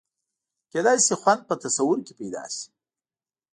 کېدای شي خوند په تصور کې پیدا شي.